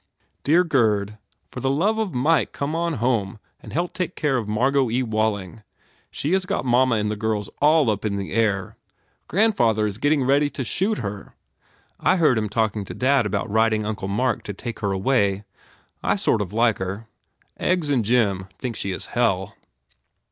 "Dear Gurd, For the love of Mike come on home and help take care of Margot E. Walling. She has got mamma and the girls all up in the air. Grandfather is getting ready to shoot her. I heard him talking to dad about writing Uncle Mark to take her away. I sort of like her. Eggs and Jim think she is hell."